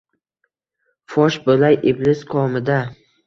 fosh bo’lay iblis komida.